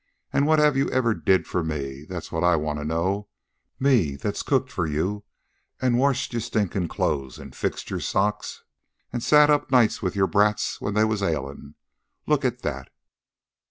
An' what have you ever did for me? That's what I want to know me, that's cooked for you, an' washed your stinkin' clothes, and fixed your socks, an' sat up nights with your brats when they was ailin'. Look at that!"